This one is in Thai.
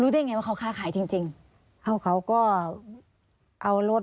รู้ได้ยังไงว่าเขาค่าขายจริงจริงเขาเขาก็เอารถเอาอะไร